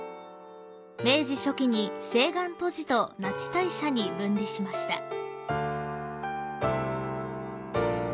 明治初期に青岸渡寺と那智大社に分離しました。